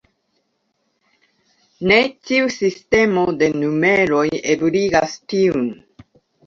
Ne ĉiu sistemo de numeroj ebligas tiun.